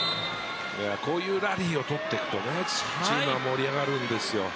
こういうラリーをとっていくとチームが盛り上がるんですよ。